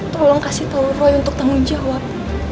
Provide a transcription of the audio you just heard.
tolong kasih tahu roy untuk tanggung jawab